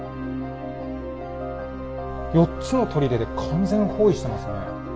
４つの砦で完全包囲してますね。